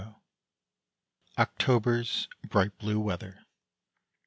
141 OCTOBER'S BRIGHT BLUE WEATHER.